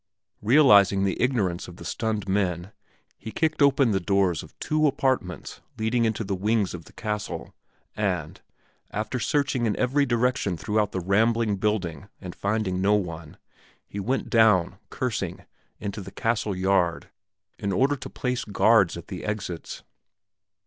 Realizing the ignorance of the stunned men, he kicked open the doors of two apartments leading into the wings of the castle and, after searching in every direction throughout the rambling building and finding no one, he went down, cursing, into the castle yard, in order to place guards at the exits.